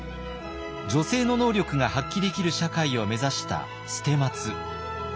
女性の能力が発揮できる社会を目指した捨松。